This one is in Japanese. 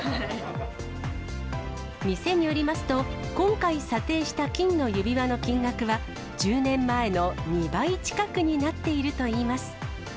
店によりますと、今回、査定した金の指輪の金額は、１０年前の２倍近くになっているといいます。